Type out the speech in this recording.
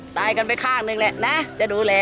ตายกันไปข้างหนึ่งแหละนะจะดูแล